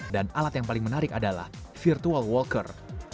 dan alat yang paling menarik adalah virtual walker